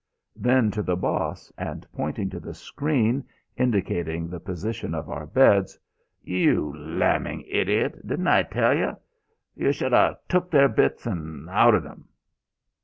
Then, to the Boss, and pointing to the screen, indicating the position of our beds: "You lamming idiot! Didn't I tell yo'? Yo' sh'd a took their bits an' outed 'm."